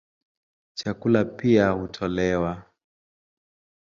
Chakula pia hutolewa.